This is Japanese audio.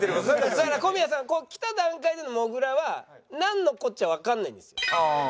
だから小宮さん来た段階でのもぐらはなんのこっちゃわからないんですよ。